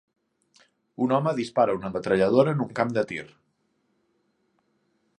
Un home dispara una metralladora en un camp de tir